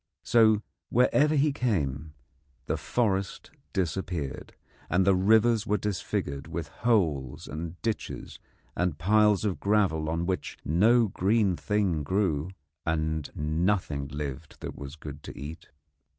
So wherever he came the forest disappeared, and the rivers were disfigured with holes and ditches and piles of gravel on which no green thing grew, and nothing lived that was good to eat.